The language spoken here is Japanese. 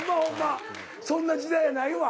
そんな時代やないわ。